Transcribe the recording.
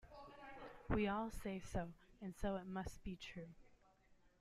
We all say so, and so it must be true.